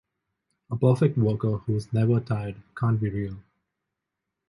A perfect worker who is never tired can’t be real.